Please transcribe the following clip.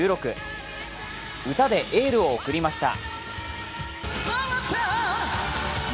歌でエールを送りました。